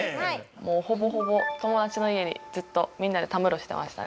もうほぼほぼ友達の家にずっとみんなでたむろしてましたね。